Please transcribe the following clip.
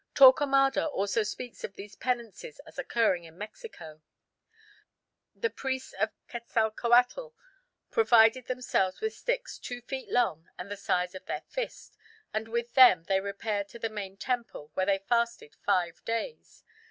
Torquemada also speaks of these penances as occurring in Mexico: "The priests of Quetzalcoatl provided themselves with sticks two feet long and the size of their fist, and with them they repaired to the main temple, where they fasted five days.